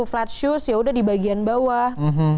flat shoes yaudah di bagian bawah